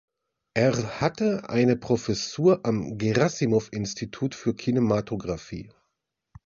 Er hatte eine Professur am Gerassimow-Institut für Kinematographie.